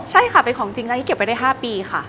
ใช่ค่ะเป็นของจริงค่ะที่เก็บไว้ได้๕ปีค่ะ